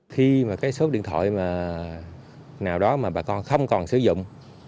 khi mà cái số điện thoại mà nào đó mà bà con không còn sử dụng